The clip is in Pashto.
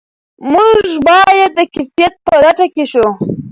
موږ باید د کیفیت په لټه کې شو.